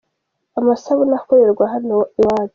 Amasabune akorerwa hano wacu.